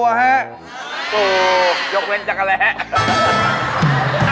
โอ้โฮหยบเงินนี่จำกันแหละ